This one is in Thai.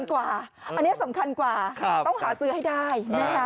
อันนี้สำคัญกว่าต้องหาซื้อให้ได้นะคะ